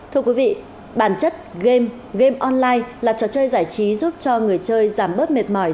thưa quý vị bản chất game game online là trò chơi giải trí giúp cho người chơi giảm bớt mệt mỏi